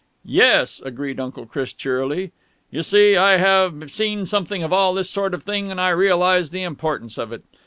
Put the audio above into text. "Yes," agreed Uncle Chris cheerily. "You see, I have seen something of all this sort of thing, and I realize the importance of it.